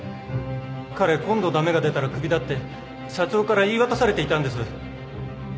彼「今度駄目が出たら首だ」って社長から言い渡されていたんです